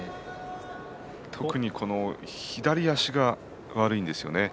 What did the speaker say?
特に左足が悪いんですよね。